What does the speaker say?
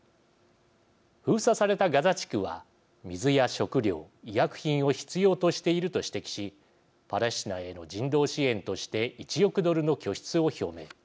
封鎖されたガザ地区は水や食料医薬品を必要としていると指摘しパレスチナへの人道支援として１億ドルの拠出を表明。